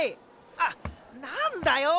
あっなんだよ？